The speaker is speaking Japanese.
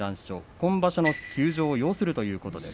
今場所の休場を要するということです。